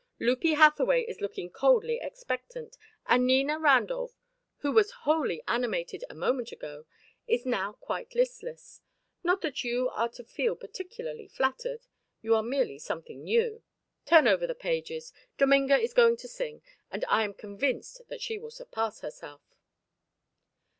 "'Lupie Hathaway is looking coldly expectant; and Nina Randolph, who was wholly animated a moment ago, is now quite listless. Not that you are to feel particularly flattered; you are merely something new. Turn over the pages, Dominga is going to sing, and I am convinced that she will surpass herself."